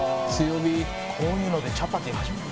「こういうのでチャパティ初めて」